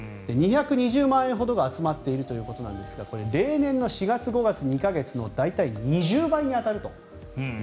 ２２０万円ほどが集まっているということですがこれは例年の４月、５月の２か月の大体２０倍に当たると。